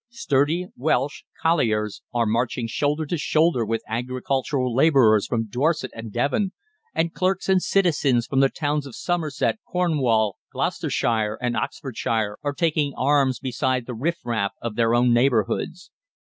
Sturdy Welsh colliers are marching shoulder to shoulder with agricultural labourers from Dorset and Devon, and clerks and citizens from the towns of Somerset, Cornwall, Gloucestershire, and Oxfordshire are taking arms beside the riff raff of their own neighbourhoods.